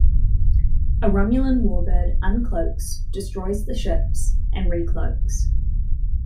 A Romulan Warbird uncloaks, destroys the ships, and recloaks.